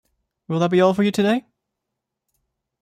Will that be all for you today?